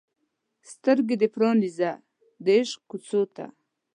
سترګې دې پرانیزه د عشق کوڅو ته